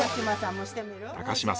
高島さん